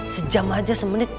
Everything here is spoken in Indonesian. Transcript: sejam aja semenit